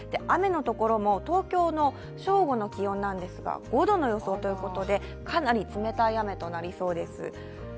雨のところも東京の正午の気温なんですが５どの予想ということで、かなり冷たい雨となりそうです。